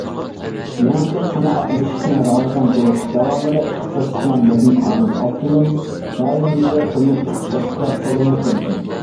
يېڭىچە سانائەتلىشىشنى راۋاجلاندۇرۇش داۋامىدا ئىختىساسلىقلار مۇھىم ئامىل، ئاپتونوم رايونىمىزدا تۈرلۈك ئىختىساسلىقلار تولىمۇ كەمچىل.